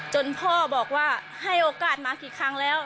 จนพ่อบอกว่าให้โอกาสมากี่ครั้งแล้ว